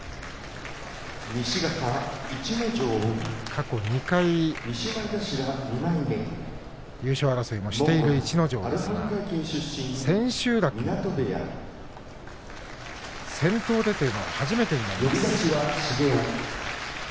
過去２回優勝争いもしている逸ノ城ですが千秋楽、先頭でというのは初めてです。